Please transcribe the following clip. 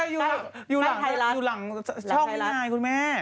นี่ไงอยู่หลังช่องนี่ไงคุณแม่